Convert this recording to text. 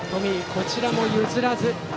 こちらも譲らず。